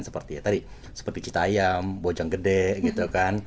seperti cita yang bojang gede gitu kan